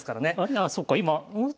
ああそっか今ん？